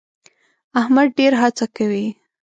احمد ډېر هڅه کوي.